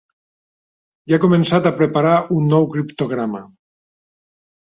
Ja he començat a preparar un nou criptograma.